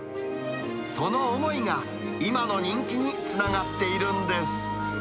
その思いが今の人気につながっているんです。